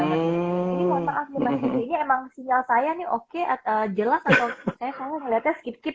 ini mohon maaf ini emang sinyal saya oke atau jelas atau kayaknya saya melihatnya skip skip